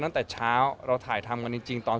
ตั้งแต่เช้าเราถ่ายทำกันจริงตอน